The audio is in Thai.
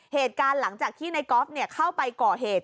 เหตุการณ์หลังจากที่ในกอล์ฟเข้าไปก่อเหตุ